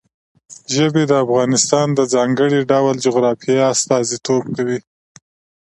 ژبې د افغانستان د ځانګړي ډول جغرافیه استازیتوب کوي.